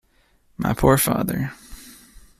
My poor father!